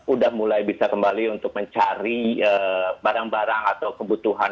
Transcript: udah mulai bisa kembali untuk mencari barang barang atau kebutuhan